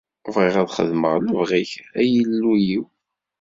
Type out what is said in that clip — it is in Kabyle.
Bɣiɣ ad xedmeɣ lebɣi-k, ay Illu-iw!